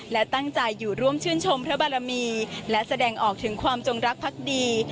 และตั้งใจอยู่ร่วมชื่นชมพระบารมีและแสดงออกถึงความจงรักพักดี